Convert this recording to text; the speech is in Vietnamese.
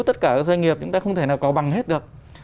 tất cả các doanh nghiệp chúng ta không thể nào cầu bằng hết được